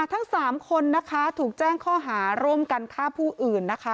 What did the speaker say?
ทั้ง๓คนนะคะถูกแจ้งข้อหาร่วมกันฆ่าผู้อื่นนะคะ